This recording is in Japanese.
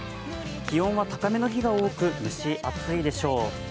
気温は高めの日が多く蒸し暑いでしょう。